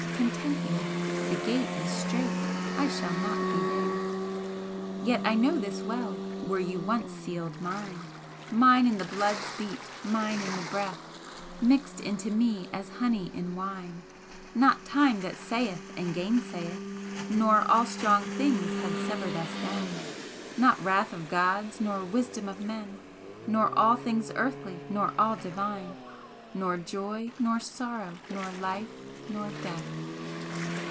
Content you; The gate is strait; I shall not be there. Yet I know this well; were you once sealed mine, Mine in the blood's beat, mine in the breath, Mixed into me as honey in wine, Not time that sayeth and gainsayeth, Nor all strong things had severed us then, Not wrath of gods nor wisdom of men, Nor all things earthly nor all divine, Nor joy nor sorrow, nor life nor death!"